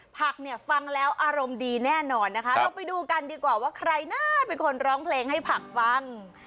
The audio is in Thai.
ผักเนี่ยฟังแล้วอารมณ์ดีแน่นอนนะคะเราไปดูกันดีกว่าว่าใครน่าเป็นคนร้องเพลงให้ผักฟัง